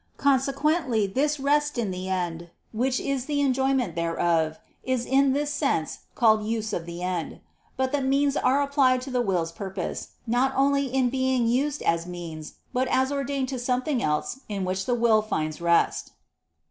Consequently this rest in the end, which is the enjoyment thereof, is in this sense called use of the end. But the means are applied to the will's purpose, not only in being used as means, but as ordained to something else in which the will finds rest.